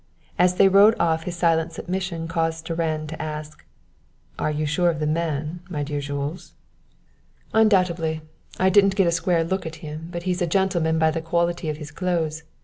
As they rode off his silent submission caused Durand to ask: "Are you sure of the man, my dear Jules?" "Undoubtedly. I didn't get a square look at him, but he's a gentleman by the quality of his clothes.